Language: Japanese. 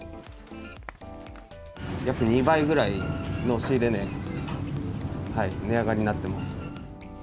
約２倍ぐらいの仕入れ値、値上がりになってます。